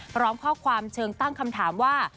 พร้อมข้อความเชิงตั้งคำถามว่า